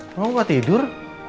kamu nggak tidur